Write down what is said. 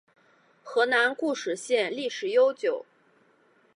河南省固始县历史悠久